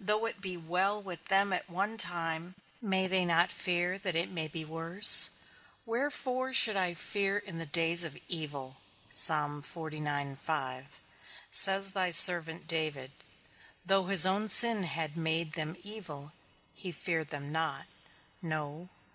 Though it be well with them at one time, may they not fear that it may be worse? Wherefore should I fear in the days of evil? says thy servant David. Though his own sin had made them evil, he feared them not. No?